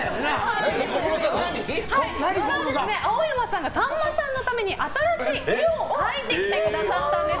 今日、実は青山さんがさんまさんのために新しい絵を描いてきてくれたんです。